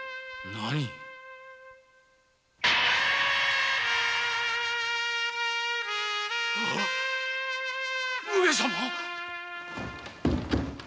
何⁉上様‼